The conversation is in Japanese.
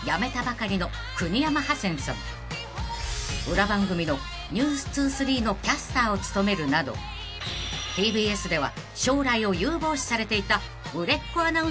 ［裏番組の『ｎｅｗｓ２３』のキャスターを務めるなどＴＢＳでは］